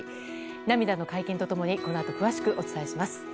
涙の会見と共にこのあと詳しくお伝えします。